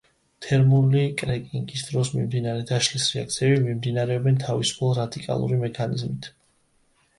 თერმული კრეკინგის დროს მიმდინარე დაშლის რეაქციები მიმდინარეობენ თავისუფალ რადიკალური მექანიზმით.